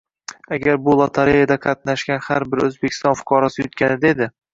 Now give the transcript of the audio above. Agarda shu lotoreyada qatnashgan har bir O‘zbekiston fuqarosi yutganida edi